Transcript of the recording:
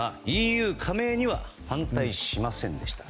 ＥＵ加盟には反対しませんでした。